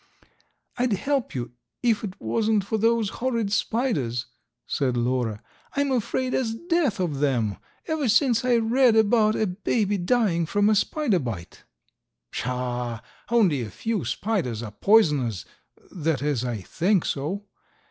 "I'd help you if it wasn't for those horrid spiders," said Lora. "I'm afraid as death of them ever since I read about a baby dying from a spider bite." "Pshaw! Only a few spiders are poisonous, that is, I think so.